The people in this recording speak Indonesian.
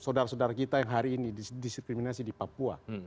saudara saudara kita yang hari ini diskriminasi di papua